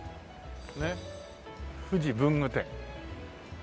ねっ「富士文具店」。